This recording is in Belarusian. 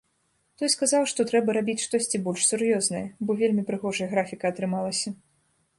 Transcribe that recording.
Той сказаў, што трэба рабіць штосьці больш сур'ёзнае, бо вельмі прыгожая графіка атрымалася.